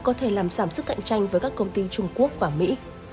có thể làm giảm sức cạnh tranh với các công ty trung quốc và mỹ